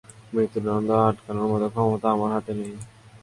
মৃত্যুদন্ড আটকানোর মতন ক্ষমতা আমার হাতে নেই।